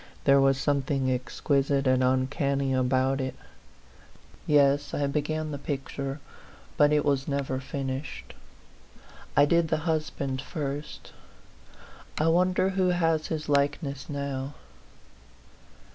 There was something exquisite and uncanny about it. Yes ; I began the picture, but it was never finished. I did the husband first ; I wonder who has his likeness now?